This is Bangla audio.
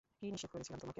কি নিষেধ করেছিলাম তোমাকে?